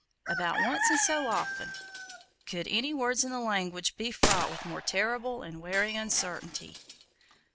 "ABOUT ONCE IN SO OFTEN!" Could any words in the language be fraught with more terrible and wearing uncertainty?